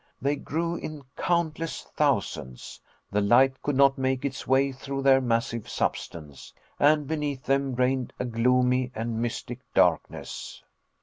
They grew in countless thousands the light could not make its way through their massive substance, and beneath them reigned a gloomy and mystic darkness.